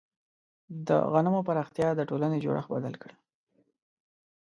د غنمو پراختیا د ټولنې جوړښت بدل کړ.